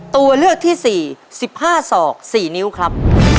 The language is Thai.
ตัวเลือกที่สี่สิบห้าสอกสี่นิ้วครับ